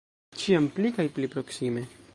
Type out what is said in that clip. Ĉiam pli kaj pli proksime.